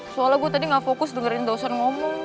soalnya gue tadi gak fokus dengerin dosen ngomong